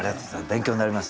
勉強になります。